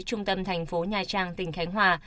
trung tâm thành phố nha trang tỉnh cánh hòa